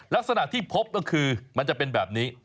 ลักษณะที่พบก็คือมันจะเป็นแบบนี้